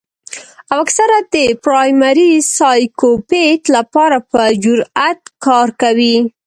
او اکثر د پرائمري سايکوپېت له پاره پۀ اجرت کار کوي